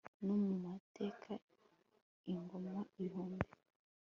No mu mateka ingoma ibihumbi